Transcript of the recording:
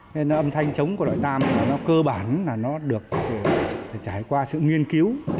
thế nên là âm thanh trống của loại tam là nó cơ bản là nó được trải qua sự nghiên cứu